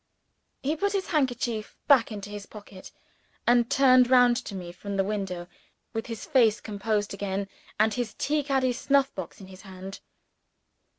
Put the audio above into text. He put his handkerchief back into his pocket, and turned round to me from the window with his face composed again, and his tea caddy snuff box in his hand.